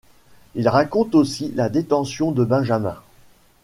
Il raconte aussi la détention de Benjamin.